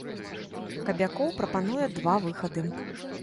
Кабякоў прапануе два выхады.